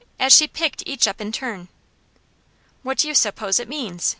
as she picked each up in turn. "What do you suppose it means?"